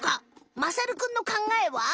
まさるくんの考えは？